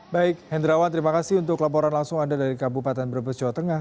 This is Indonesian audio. baik hendrawan terima kasih untuk laporan langsung anda dari kabupaten brebes jawa tengah